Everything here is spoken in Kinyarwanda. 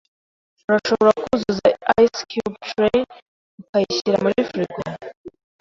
Urashobora kuzuza ice cube tray ukayishyira muri firigo?